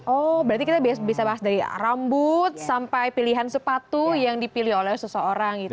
oh berarti kita bisa bahas dari rambut sampai pilihan sepatu yang dipilih oleh seseorang gitu